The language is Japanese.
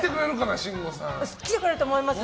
慎吾さん。来てくれると思います。